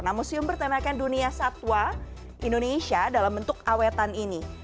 nah museum bertemakan dunia satwa indonesia dalam bentuk awetan ini